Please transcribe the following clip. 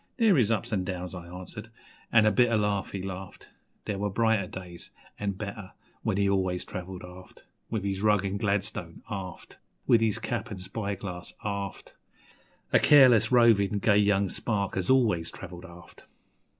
'There is ups an' downs,' I answered, an' a bitter laugh he laughed There were brighter days an' better when he always travelled aft With his rug an' gladstone, aft, With his cap an' spyglass, aft A careless, rovin', gay young spark as always travelled aft.